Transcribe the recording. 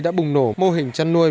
đã bùng nổ mô hình chăn nuôi